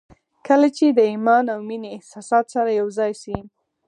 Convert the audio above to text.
کله چې د ايمان او مينې احساسات سره يو ځای شي.